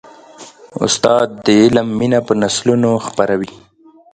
استاد د علم مینه په نسلونو خپروي.